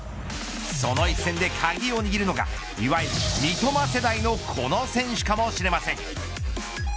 その一戦で鍵を握るのがいわゆる三笘世代のこの選手かもしれません。